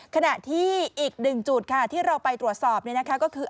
ขณะที่อีกหนึ่งจุดค่ะที่เราไปตรวจสอบก็คือ